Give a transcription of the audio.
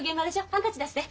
ハンカチ出して。